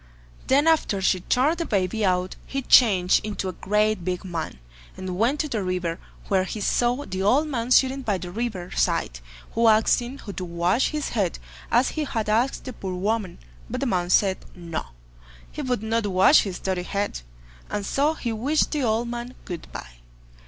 Then after she turned the baby out, he changed into a great big man, and went to the river, where he saw the old man sitting by the river side, who asked him to wash his head, as he had asked the poor woman, but the man said: "No, he would not wash his dirty head", and so he wished the old man "good bye".